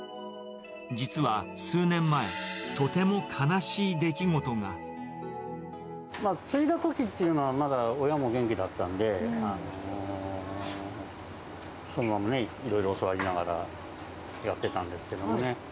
実は数年前、とても悲しい出来事継いだときっていうのは、まだ親も元気だったんで、いろいろ教わりながらやってたんですけどもね。